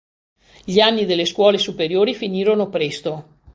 Gli anni delle scuole superiori finirono presto.